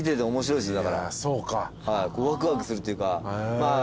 ワクワクするっていうかまあ